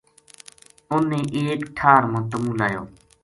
اُنھ نے ایک ٹھار ما تمو لایو